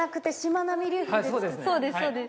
そうですね。